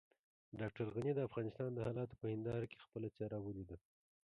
ډاکټر غني د افغانستان د حالاتو په هنداره کې خپله څېره وليده.